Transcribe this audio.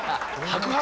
白髪。